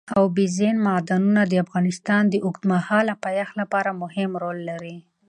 اوبزین معدنونه د افغانستان د اوږدمهاله پایښت لپاره مهم رول لري.